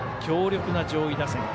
強力な上位打線。